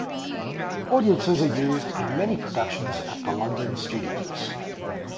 Audiences are used in many productions at The London Studios.